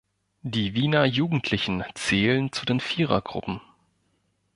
Die Wiener Jugendlichen zählen zu den Vierergruppen.